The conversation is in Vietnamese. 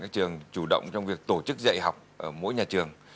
các trường chủ động trong việc tổ chức dạy học ở mỗi nhà trường